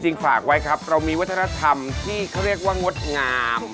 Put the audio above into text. ฝากไว้ครับเรามีวัฒนธรรมที่เขาเรียกว่างดงาม